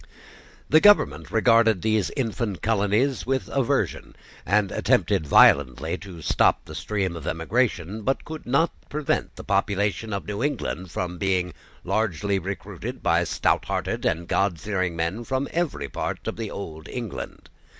The government regarded these infant colonies with aversion, and attempted violently to stop the stream of emigration, but could not prevent the population of New England from being largely recruited by stouthearted and Godfearing men from every part of the old England.